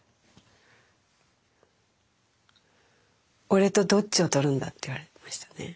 俺とどっちを取るんだって言われましたね